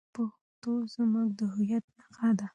پښتو زموږ د هویت نښه ده.